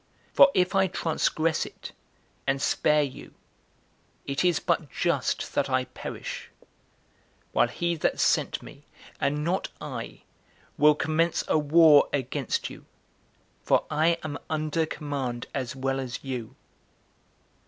For if I transgress it, and spare you, it is but just that I perish; while he that sent me, and not I, will commence a war against you; for I am under command as well as you."